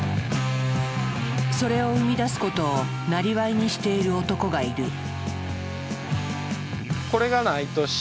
それを生み出すことをなりわいにしている男がいる。